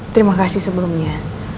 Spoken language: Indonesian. terima kasih sebelumnya